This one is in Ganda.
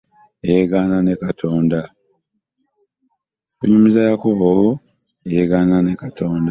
Kunyumiza Yakobo eyeggana ne Katonda .